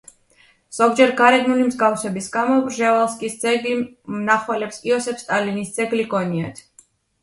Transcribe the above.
ზოგჯერ, გარეგნული მსგავსების გამო პრჟევალსკის ძეგლი მნახველებს იოსებ სტალინის ძეგლი ჰგონიათ.